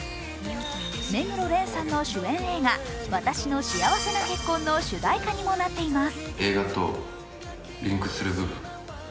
目黒蓮さんの主演映画「わたしの幸せな結婚」の主題歌にもなっています。